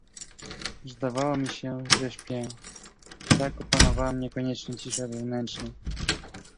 "Zdawało mi się, że śpię, tak opanowała mnie konieczna cisza wewnętrzna."